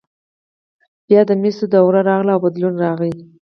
بیا د مسو دوره راغله او بدلون راغی.